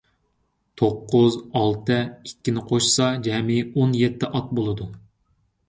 توققۇز، ئالتە، ئىككىنى قوشسا جەمئىي ئون يەتتە ئات بولىدۇ.